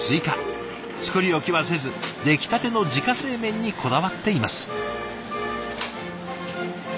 作り置きはせずできたての自家製麺にこだわっています。